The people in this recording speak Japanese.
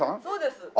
そうです。